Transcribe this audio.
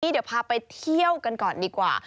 เดี๋ยวพาไปเที่ยวกันก่อนดีกว่า